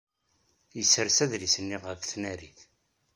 Yessers adlis-nni ɣef tnarit.